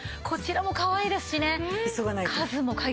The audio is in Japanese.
こちらもかわいいですしね。